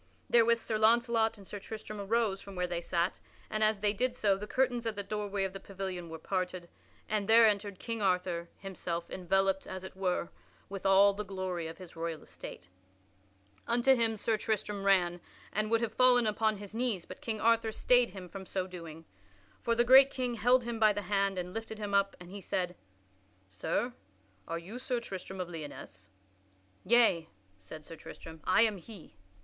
Therewith Sir Launcelot and Sir Tristram arose from where they sat, and as they did so the curtains at the doorway of the pavilion were parted and there entered King Arthur himself enveloped, as it were, with all the glory of his royal estate. Unto him Sir Tristram ran, and would have fallen upon his knees, but King Arthur stayed him from so doing. For the great king held him by the hand and lifted him up, and he said, "Sir, are you Sir Tristram of Lyonesse?" "Yea," said Sir Tristram, "I am he."